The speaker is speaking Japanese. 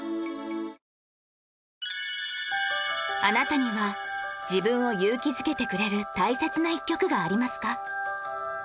あなたには自分を勇気づけてくれる大切な１曲がありますか？